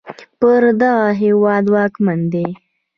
پر دغه هېواد واکمن دی